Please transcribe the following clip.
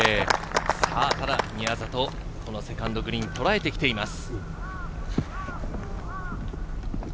宮里、セカンド、グリーンを捉えてきています。